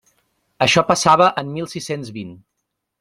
Això passava en mil sis-cents vint.